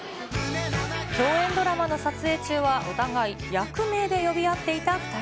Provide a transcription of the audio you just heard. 共演ドラマの撮影中はお互い役名で呼び合っていた２人。